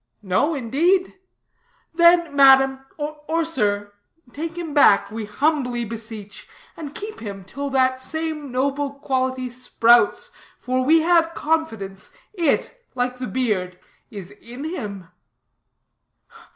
'No, indeed.' 'Then, madam, or sir, take him back, we humbly beseech; and keep him till that same noble quality sprouts; for, have confidence, it, like the beard, is in him.'"